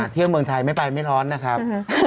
เที่ยวเมืองไทยไม่ไปไม่ร้อนนะครับ